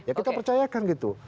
ya kita percayakan gitu